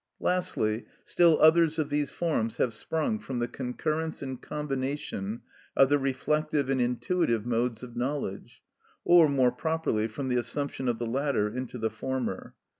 Lastly, still others of these forms have sprung from the concurrence and combination of the reflective and intuitive modes of knowledge, or more properly from the assumption of the latter into the former.